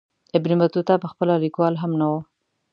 ابن بطوطه پخپله لیکوال هم نه وو.